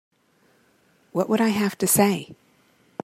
What would I have to say?